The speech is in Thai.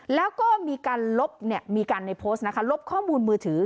แล้วก็มีการลบมีการในโพสต์นะคะลบข้อมูลมือถือ